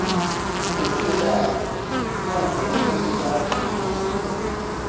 股市在万点封关